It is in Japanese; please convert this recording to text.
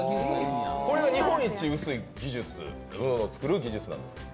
これが日本一薄い技術、ものをつくる技術なんですか？